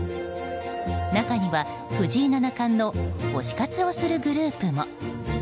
中には、藤井七冠の推し活をするグループも。